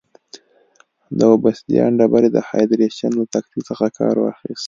د اوبسیدیان ډبرې د هایدرېشن له تکتیک څخه کار واخیست.